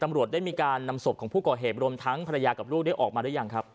ตำรวจได้มีการนำศพของผู้ก่อเหตุรวมทั้งภรรยากับลูกได้ออกมาหรือยังครับ